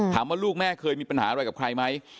ลูกแม่เคยมีปัญหาอะไรกับใครไหม